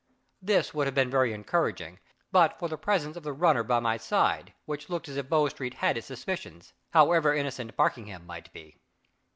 This would have been very encouraging, but for the presence of the runner by my side, which looked as if Bow Street had its suspicions, however innocent Barkingham might be.